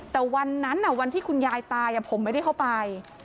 แต่วันนั้นวันที่คุณยายตายผมไม่ได้เข้าไป